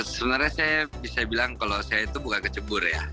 sebenarnya saya bisa bilang kalau saya itu buka kecebur ya